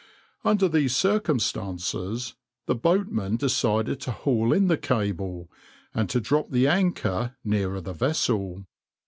Under these circumstances, the boatmen decided to haul in the cable, and to drop the anchor nearer the vessel.